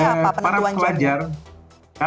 dasarnya apa penentuan jam ini